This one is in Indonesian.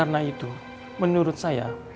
karena itu menurut saya